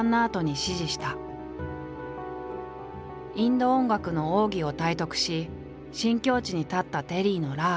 インド音楽の奥義を体得し新境地に立ったテリーのラーガ。